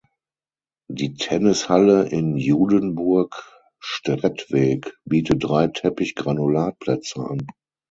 Die Tennishalle in Judenburg-Strettweg bietet drei Teppich-Granulat-Plätze an.